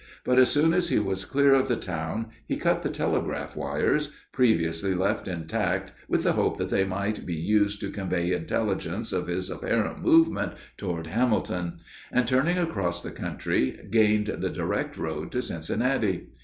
But as soon as he was clear of the town, he cut the telegraph wires previously left intact with the hope that they might be used to convey intelligence of his apparent movement toward Hamilton and, turning across the country, gained the direct road to Cincinnati.